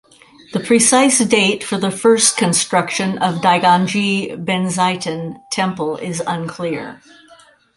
The precise date for the first construction of Daiganji Benzaiten temple is unclear.